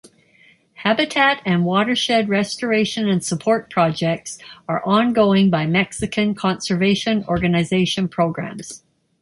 Habitat and watershed restoration and support projects are ongoing by Mexican conservation organization programs.